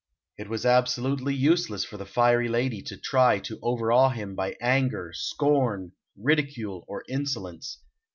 It was absolutely useless for the fiery lady to try to overawe him by anger, scorn, ridicule, or insolence.